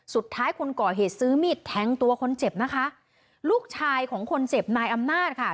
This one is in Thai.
คนก่อเหตุซื้อมีดแทงตัวคนเจ็บนะคะลูกชายของคนเจ็บนายอำนาจค่ะ